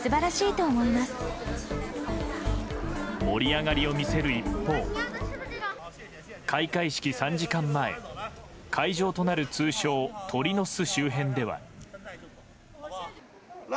盛り上がりを見せる一方開会式３時間前、会場となる通称、鳥の巣周辺では。